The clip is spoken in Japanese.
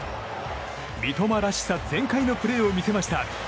三笘らしさ全開のプレーを見せました。